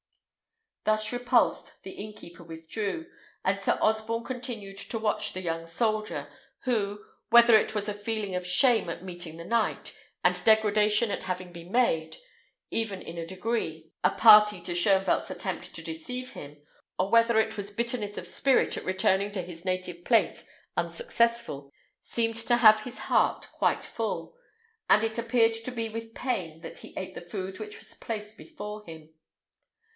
Thus repulsed, the innkeeper withdrew, and Sir Osborne continued to watch the young soldier, who, whether it was a feeling of shame at meeting the knight, and degradation at having been made, even in a degree, a party to Shoenvelt's attempt to deceive him, or whether it was bitterness of spirit at returning to his native place unsuccessful, seemed to have his heart quite full; and it appeared to be with pain that he ate the food which was placed before him.